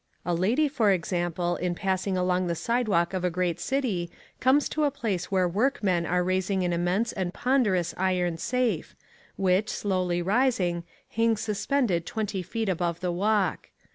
A lady, for example, in passing along the sidewalk of a great city comes to a place where workmen are raising an immense and ponderous iron safe, which, slowly rising, hangs suspended twenty feet above the walk.